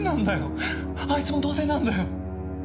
あいつも同罪なんだよ。